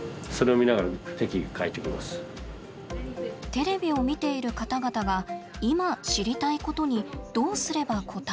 テレビを見ている方々が今知りたいことにどうすれば応えられるのか。